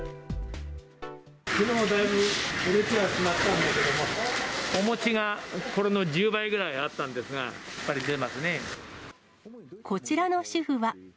きのうもだいぶ、売れてはしまったんですけど、お餅がこれの１０倍ぐらいあったんですが、こちらの主婦は。